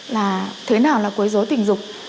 là thế nào là quy rối tình dục